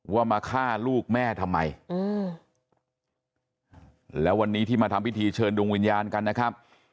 ว่ามาฆ่าลูกแม่ทำไมแล้ววันนี้ที่มาทำพิธีเชิญดวงวิญญาณกันนะครับ